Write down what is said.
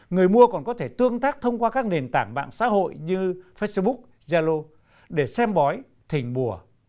người mua còn có thể tương tác thông qua các nền tảng mạng xã hội như facebook yalo để xem bói thỉnh bùa